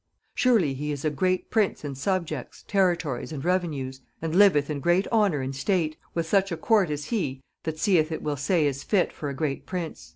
surely he is a great prince in subjects, territories, and revenues; and liveth in great honor and state, with such a court as he that seeth it will say is fit for a great prince."